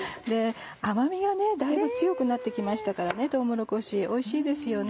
甘みがだいぶ強くなって来ましたからとうもろこしおいしいですよね。